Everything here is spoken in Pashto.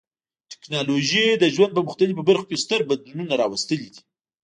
ټکنالوژي د ژوند په مختلفو برخو کې ستر بدلونونه راوستلي دي.